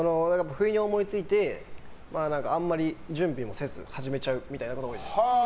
不意に思いついてあまり準備もせず始めちゃうみたいなのが多いです。